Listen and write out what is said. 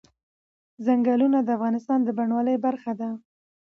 ځنګلونه د افغانستان د بڼوالۍ برخه ده.